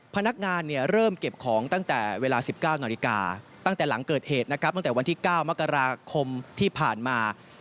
พนักงานเริ่มเก็บของตั้งแต่เวลา๑๙นาฬิกาตั้งแต่หลังเกิดเหตุนะครับตั้งแต่วันที่๙มกราคมที่ผ่านมา